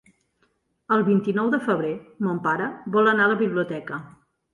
El vint-i-nou de febrer mon pare vol anar a la biblioteca.